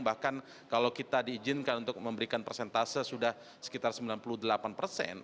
bahkan kalau kita diizinkan untuk memberikan persentase sudah sekitar sembilan puluh delapan persen